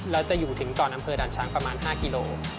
แล้วจะอยู่ถึงก่อนอำเภอด่านช้างประมาณ๕กิโล